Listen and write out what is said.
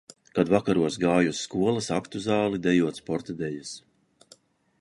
Kad vakaros gāju uz skolas aktu zāli dejot sporta dejas.